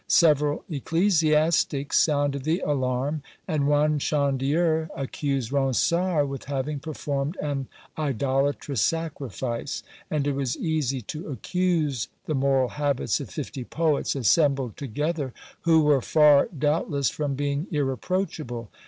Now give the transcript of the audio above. Several ecclesiastics sounded the alarm, and one Chandieu accused Ronsard with having performed an idolatrous sacrifice; and it was easy to accuse the moral habits of fifty poets assembled together, who were far, doubtless, from being irreproachable.